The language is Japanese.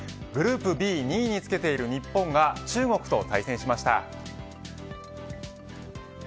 グループＢ２位につけている日本が中国と対戦しました。